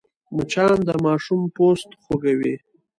مچان د ماشوم پوست خوږوي